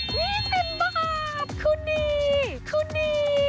นี่เป็นประหลาดคู่นี้คู่นี้